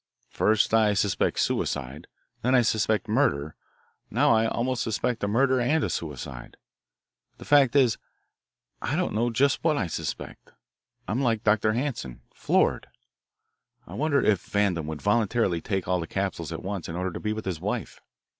First I suspected suicide. Then I suspected murder. Now I almost suspect a murder and a suicide. The fact is, I don't know just what I suspect. I'm like Dr. Hanson floored. I wonder if Vandam would voluntarily take all the capsules at once in order to be with his wife?"